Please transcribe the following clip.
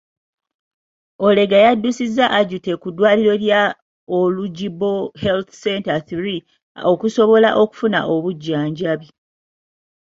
Olega yaddusizza Ajute ku ddwaliro lya Olujbo Health center III okusobola okufuna obujjanjabi.